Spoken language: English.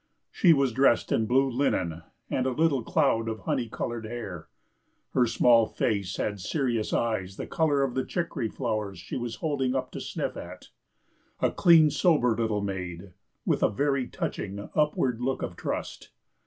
She was dressed in blue linen, and a little cloud of honey coloured hair; her small face had serious eyes the colour of the chicory flowers she was holding up to sniff at—a clean sober little maid, with a very touching upward look of trust.